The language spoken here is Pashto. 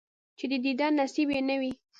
چې د دیدن نصیب یې نه وي،